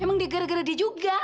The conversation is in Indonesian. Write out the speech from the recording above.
emang dia gara gara dia juga